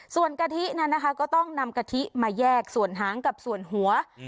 ส่วนกะทินั้นนะคะก็ต้องนำกะทิมาแยกส่วนหางกับส่วนหัว